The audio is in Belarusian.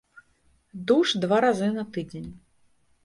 Душ два разы на тыдзень.